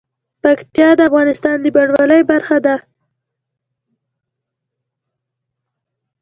پکتیا د افغانستان د بڼوالۍ برخه ده.